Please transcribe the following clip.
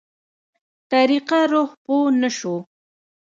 طريقه روح پوه نه شو.